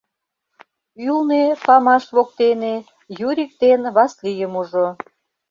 Ӱлнӧ, памаш воктене, Юрик ден Васлийым ужо.